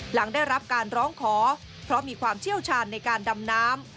หลังได้รับการร้องขอเพราะมีความเชี่ยวชาญในการดำน้ำ